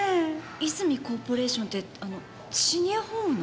泉コーポレーションってあのシニアホームの？